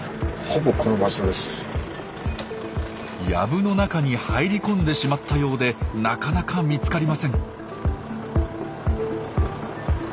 藪の中に入り込んでしまったようでなかなか見つかりません。